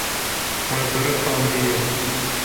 We biriqandiye.